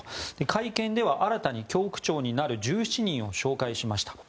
会見では新たに教区長になる１７人を紹介しました。